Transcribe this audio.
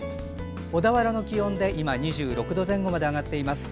小田原の気温で今２６度前後まで上がっています。